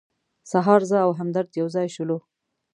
سهار زه او همدرد یو ځای شولو.